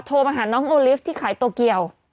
โทรมาหาน้องโอลิฟต์ที่ขายโตเกียว